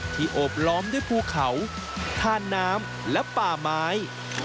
โอบล้อมด้วยภูเขาทานน้ำและป่าไม้